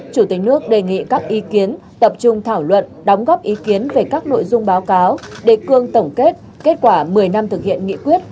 chủ tịch nước đề nghị các ý kiến tập trung thảo luận đóng góp ý kiến về các nội dung báo cáo đề cương tổng kết kết quả một mươi năm thực hiện nghị quyết